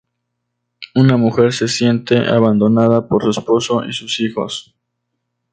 Una mujer se siente abandonada por su esposo y sus hijos.